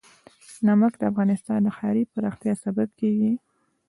نمک د افغانستان د ښاري پراختیا سبب کېږي.